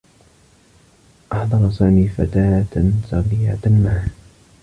أحضر سامي فتاة صغيرة معه.